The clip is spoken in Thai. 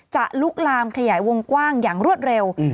ลุกลามขยายวงกว้างอย่างรวดเร็ว